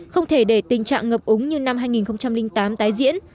không thể để tình trạng ngập úng như năm hai nghìn tám tái diễn